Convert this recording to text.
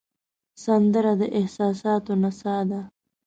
سندره د احساساتو نڅا ده